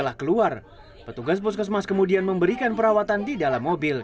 lahiran di jakarta